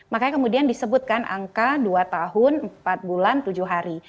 makanya kemudian disebutkan angka dua tahun empat bulan tujuh hari